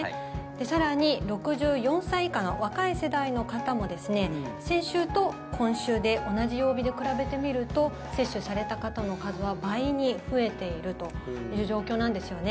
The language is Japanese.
更に６４歳以下の若い世代の方も先週と今週で同じ曜日で比べてみると接種された方の数は倍に増えているという状況なんですよね。